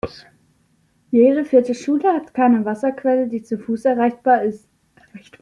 Jede vierte Schule hat keine Wasserquelle, die zu Fuß erreichbar ist.